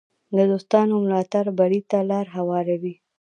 د دوستانو ملاتړ بری ته لار هواروي.